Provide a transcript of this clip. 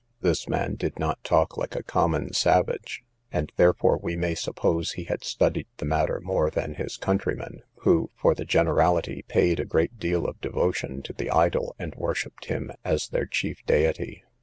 —This man did not talk like a common savage, and therefore we may suppose he had studied the matter more than his countrymen, who, for the generality, paid a great deal of devotion to the idol, and worshipped him as their chief deity.